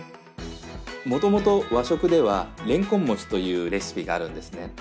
もともと和食ではれんこん餅というレシピがあるんですね。